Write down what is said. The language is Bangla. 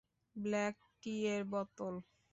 ব্ল্যাক টি এর বোতল!